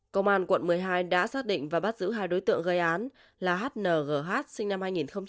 công an quận một mươi hai đã xác định và bắt giữ hai đối tượng gây án là hngh sinh năm hai nghìn bảy